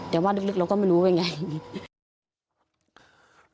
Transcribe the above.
แต่ว่าลึกเราก็ไม่รู้เป็นอย่างไร